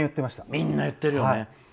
みんな言ってるよね。